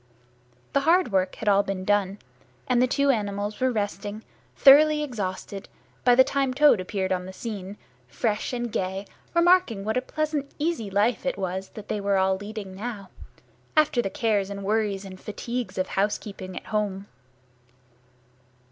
The hard work had all been done, and the two animals were resting, thoroughly exhausted, by the time Toad appeared on the scene, fresh and gay, remarking what a pleasant easy life it was they were all leading now, after the cares and worries and fatigues of housekeeping at home.